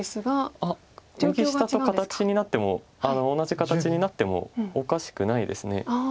あっ右下と形になっても同じ形になってもおかしくないです。